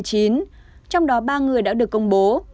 trong đó ba người đã được công bố